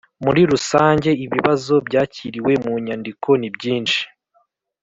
Muri rusange ibibazo byakiriwe mu nyandiko ni byinshi